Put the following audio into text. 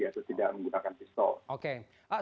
atau tidak menggunakan pistol